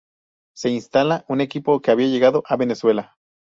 Se instala un equipo que había llegado a Venezuela.